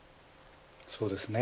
そうですね。